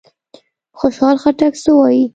خوشحال خټک څه وايي؟